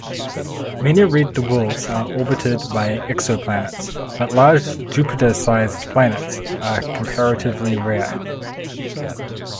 Many red dwarfs are orbited by exoplanets, but large Jupiter-sized planets are comparatively rare.